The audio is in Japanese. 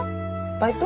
バイト？